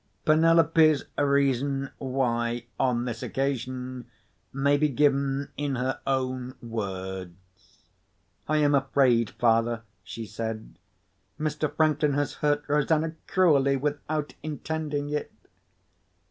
Penelope's reason why, on this occasion, may be given in her own words. "I am afraid, father," she said, "Mr. Franklin has hurt Rosanna cruelly, without intending it."